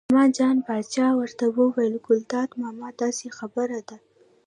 عثمان جان پاچا ورته وویل: ګلداد ماما داسې خبره ده.